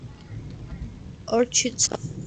Orchid Soc.".